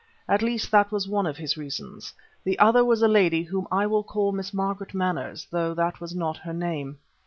At least, that was one of his reasons. The other was a lady whom I will call Miss Margaret Manners, though that was not her name.